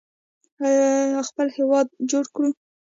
آیا خپل هیواد جوړ کړو؟